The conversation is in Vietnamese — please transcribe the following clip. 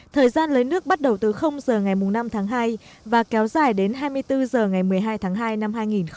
thời gian lấy nước bắt đầu từ giờ ngày năm tháng hai và kéo dài đến hai mươi bốn h ngày một mươi hai tháng hai năm hai nghìn hai mươi